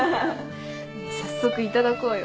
早速いただこうよ。